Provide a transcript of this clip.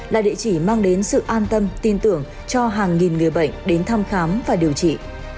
là địa chỉ mang đến sự an tâm tin tưởng cho hàng nghìn người bệnh đến thăm khám và điều trị